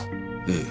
ええ。